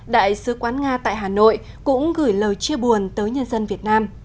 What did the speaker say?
đại sứ quán nga tại hà nội cũng gửi lời chia buồn tới nhân dân việt nam